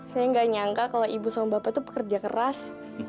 saya nggak nyangka kalau ibu sama bapak itu pekerja keras